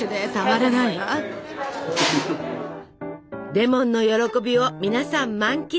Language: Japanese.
「レモンの歓び」を皆さん満喫！